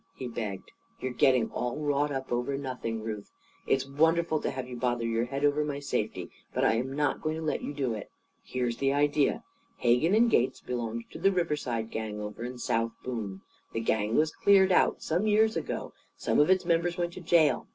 he begged. "You're getting all wrought up over nothing, Ruth. It's wonderful to have you bother your head over my safety. But I'm not going to let you do it. Here's the idea: Hegan and Gates belonged to the 'Riverside Gang,' over in South Boone. The gang was cleared out some years ago. Some of its members went to jail.